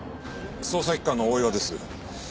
捜査一課の大岩です。